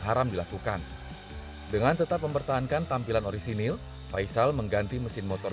haram dilakukan dengan tetap mempertahankan tampilan orisinil faisal mengganti mesin motor